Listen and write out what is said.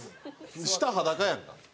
下裸やんか。